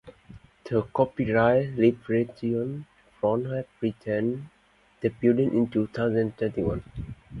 The Kopyright Liberation Front have reentered the building in two thousand twenty one!